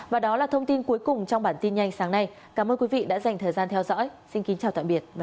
và đó là thông tin cuối cùng trong bản tin nhanh sáng nay cảm ơn quý vị đã dành thời gian theo dõi xin kính chào tạm biệt và hẹn gặp